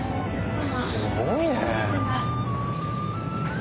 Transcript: すごいね。